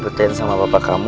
kalau aku punya salah sama kamu